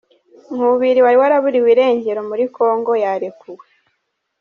Nkubiri wari waraburiwe irengero muri kongo yarekuwe